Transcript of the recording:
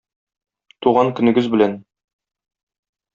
Туган көнегез белән!